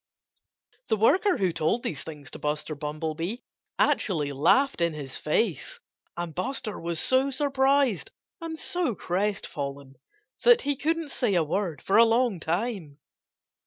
The worker who told these things to Buster Bumblebee actually laughed in his face. And Buster was so surprised and so crestfallen that he couldn't say a word for a long time.